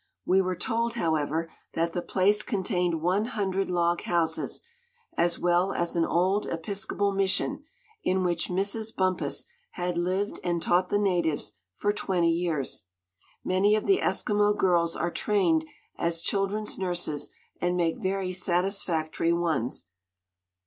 We were told, however, that the place contained one hundred log houses, as well as an old Episcopal Mission, in which Mrs. Bumpus had lived and taught the natives for twenty years. Many of the Eskimo girls are trained as children's nurses and make very satisfactory ones.